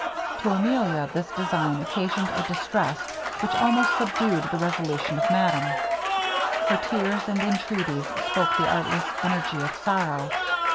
To Emilia this design occasioned a distress which almost subdued the resolution of madame. Her tears and intreaties spoke the artless energy of sorrow.